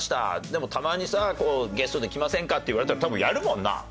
でもたまにさ「ゲストで来ませんか？」って言われたら多分やるもんな。